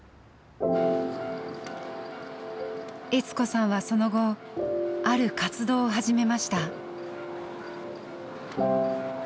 悦子さんはその後ある活動を始めました。